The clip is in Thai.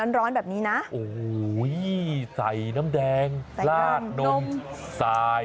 มักร้อนแบบนี้นะใส่น้ำแดงราดนมระดนมมาษา